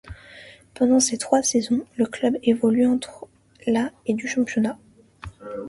Pendant ces trois saisons, le club évolue entre la et du championnat.